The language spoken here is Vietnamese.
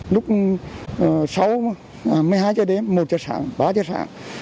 lúc sau một mươi hai h đêm một giờ sáng ba giờ sáng